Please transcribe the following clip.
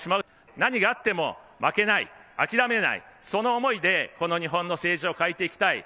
何があっても負けない諦めない、その思いでこの日本の政治を変えていきたい。